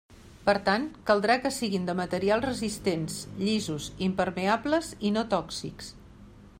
Per tant, caldrà que siguin de materials resistents, llisos, impermeables i no tòxics.